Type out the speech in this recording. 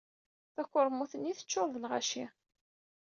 Takurmut-nni teččuṛ d lɣaci.